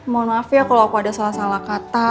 mohon maaf ya kalau aku ada salah salah kata